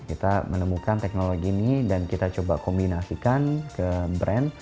kita menemukan teknologi ini dan kita coba kombinasikan ke brand